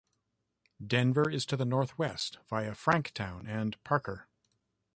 Denver is to the northwest via Franktown and Parker.